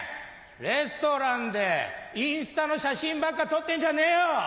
レストランでインスタの写真ばっか撮ってんじゃねえよ！